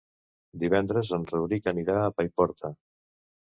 Divendres en Rauric anirà a Paiporta.